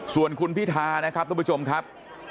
ส่วนคุณพิธานะครับทุกผู้ชมครับ